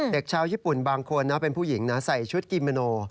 เด็กชาวญี่ปุ่นบางคนนะเป็นผู้หญิงนะใส่ชุดกิโมโน